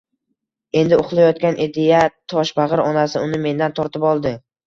Endi uxlayotgan edi-ya, toshbag`ir onasi uni mendan tortib oldi